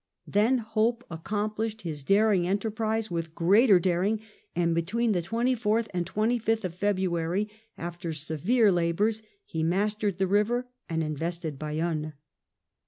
Then Hope accomplished his daring enterprise with greater daring, and between the 24th and 25th of February, after severe labours, he mastered the river and invested Bayonne.